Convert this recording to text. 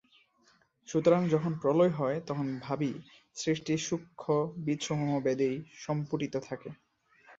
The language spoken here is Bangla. সুতরাং যখন প্রলয় হয়, তখন ভাবী সৃষ্টির সূক্ষ্ম বীজসমূহ বেদেই সম্পুটিত থাকে।